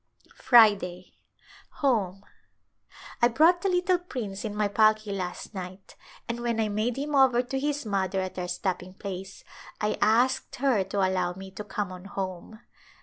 Friday, Home ! I brought the little prince in my palki last night and when I made him over to his mother at our stopping place I asked her to allow me to come on home.